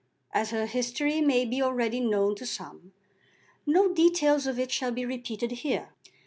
As her history may be already known to some, no details of it shall be repeated here.